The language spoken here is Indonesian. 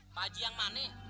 pak aji yang mana